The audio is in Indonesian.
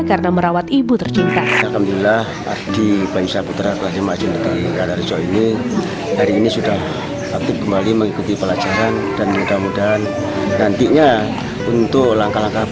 karena merawat ibu tercinta